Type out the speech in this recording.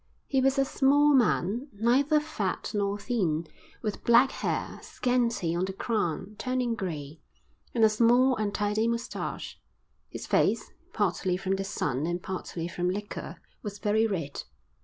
He was a small man, neither fat nor thin, with black hair, scanty on the crown, turning grey, and a small, untidy moustache; his face, partly from the sun and partly from liquor, was very red.